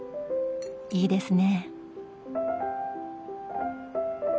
いいですね。